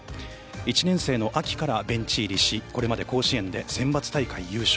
１年生の秋からベンチ入りしこれまで甲子園で選抜大会優勝